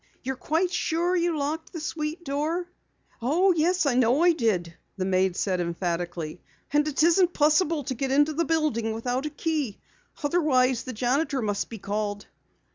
You're quite sure you locked the suite door?" "Oh, yes, I know I did," the maid said emphatically. "And it isn't possible to get into the building without a key. Otherwise, the janitor must be called."